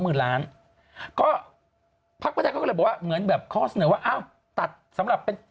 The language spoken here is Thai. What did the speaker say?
เพราะภักดิ์ประเทศก็เลยบอกว่าเหมือนแบบข้อเสนอว่าเอ้าตัดสำหรับเป็น